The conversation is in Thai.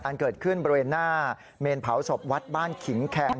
อันเกิดขึ้นบริเวณหน้าเมนเผาศพวัดบ้านขิงแคน